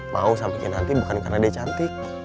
mau sama kinanti bukan karena dia cantik